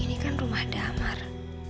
ini kan rumah damar